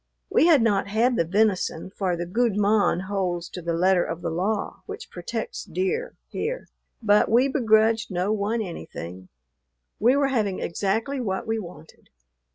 We had not had the venison, for the "gude mon" holds to the letter of the law which protects deer here, but we begrudged no one anything; we were having exactly what we wanted.